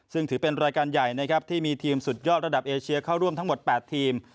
ซึ่งถือเป็นรายการใหญ่นะครับที่มีทีมสุดยอดระดับเอเชียเข้าร่วมทั้งหมด๘ทีม